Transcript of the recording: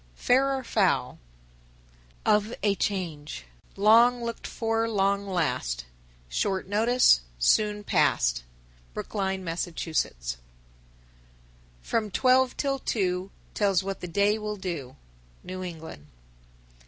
_ FAIR OR FOUL. 962. Of a change: Long looked for Long last, Short notice, Soon past. Brookline, Mass. 963. From twelve till two Tells what the day will do. _New England.